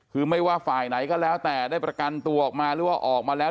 คือไม่ว่าฝ่ายไหนก็แล้วแต่ได้ประกันตัวออกมาหรือว่าออกมาแล้ว